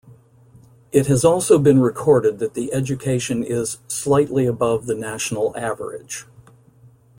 It has also been recorded that the education is 'slightly above the national average'.